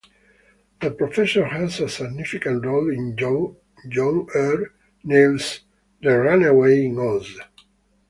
The Professor has a significant role in John R. Neill's "The Runaway in Oz".